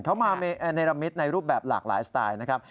เขามาเนรมิตในรูปแบบหลากหลายสไตล์นะครับ